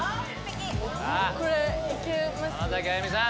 これいけます？